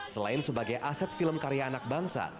selain sebagai aset film karya anak bangsa